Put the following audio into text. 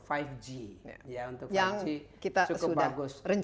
yang kita sudah rencanakan